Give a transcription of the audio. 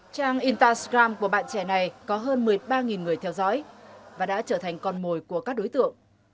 trang instagram của bạn trẻ này có hơn một mươi ba người theo dõi và đã trở thành con mồi của các đối tượng